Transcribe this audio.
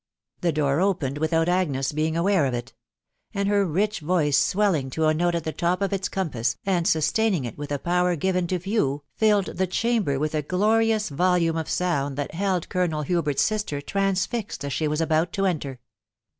The door opened without Agnes being aware of it ; and her rich voice swelling to a note at the top of its compass, and sustaining it with a power given to few, filled the chamber with a glorious volume of sound that held Colonel Hubert's sister transfixed as she was about to enter.